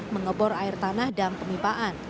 mengebor air tanah dan pemipaan